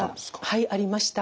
はいありました。